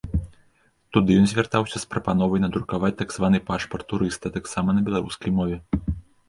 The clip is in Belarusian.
Туды ён звяртаўся з прапановай надрукаваць так званы пашпарт турыста таксама на беларускай мове.